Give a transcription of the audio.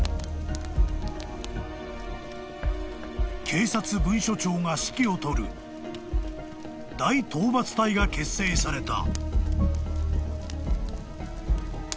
［警察分署長が指揮を執る大討伐隊が結成された］